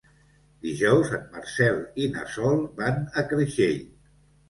Dijous en Marcel i na Sol van a Creixell.